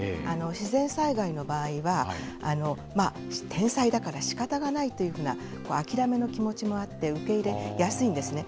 自然災害の場合は、天災だからしかたないというふうな諦めの気持ちもあって、受け入れやすいんですね。